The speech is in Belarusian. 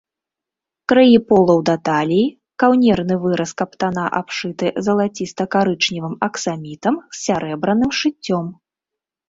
Краі полаў да таліі, каўнерны выраз каптана абшыты залацістакарычневым аксамітам з сярэбраным шыццём.